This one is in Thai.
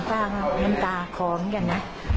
ป้าง้ำตาคล้องอย่างนั้น